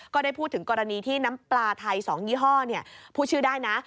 ก็ได้พูดถึงกรณีที่น้ำปลาไทย๒ยี่ห้อพูดชื่อได้นะ